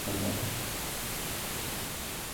না করতে পারে কিন্তু সপ্তপদী গমনের রাস্তা ওটা নয়।